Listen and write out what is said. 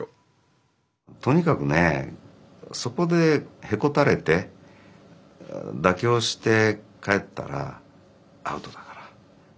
とにかくねそこでへこたれて妥協して帰ったらアウトだから。